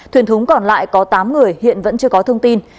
thuyền thúng còn lại có tám người hiện vẫn chưa có thông tin